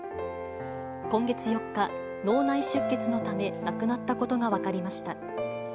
今月４日、脳内出血のため、亡くなったことが分かりました。